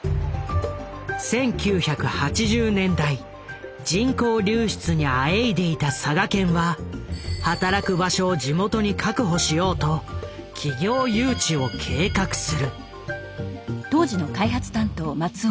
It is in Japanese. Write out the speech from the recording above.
１９８０年代人口流出にあえいでいた佐賀県は働く場所を地元に確保しようと企業誘致を計画する。